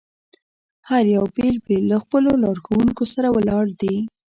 هر یو بېل بېل له خپلو لارښوونکو سره ولاړ دي.